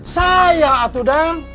saya atuh dang